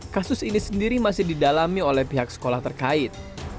kasus ini sendiri masih didalami oleh pihak sekolah terkait